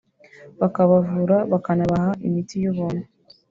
bakabavura bakanabaha imiti y’ubuntu